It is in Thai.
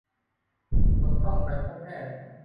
จนต้องไปพบแพทย์